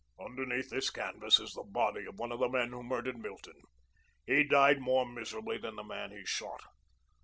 "Underneath this canvas is the body of one of the men who murdered Milton. He died more miserably than the man he shot.